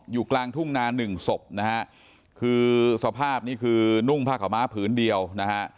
อยู่กลางทุ่งนาหนึ่งศพนะฮะคือสภาพนี่คือนุ่งผ้าขาวม้าผืนเดียวนะฮะ